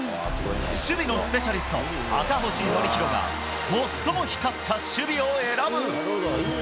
守備のスペシャリスト、赤星憲広が、最も光った守備を選ぶ。